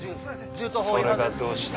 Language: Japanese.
◆それがどうした。